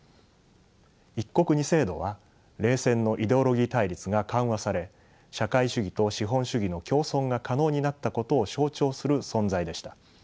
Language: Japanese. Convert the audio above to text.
「一国二制度」は冷戦のイデオロギー対立が緩和され社会主義と資本主義の共存が可能になったことを象徴する存在でした。